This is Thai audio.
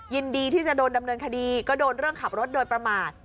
ยินดีที่จะโดนดำเนินคดีก็โดนเรื่องขับรถโดยประมาท